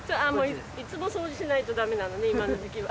いつも掃除しないとだめなのね今の時期は。